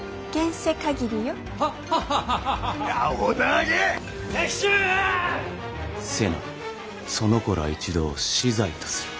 瀬名その子ら一同死罪とする。